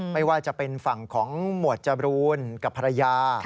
ไม่ว่าจะเป็นฝั่งของหมวดจบรูนกับภรรยา